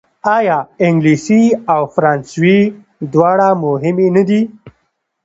آیا انګلیسي او فرانسوي دواړه مهمې نه دي؟